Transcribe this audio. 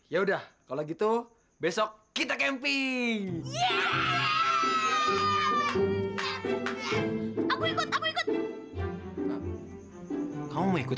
ya udah kalau gitu besok kita camping aku ikut aku ikut kamu ikut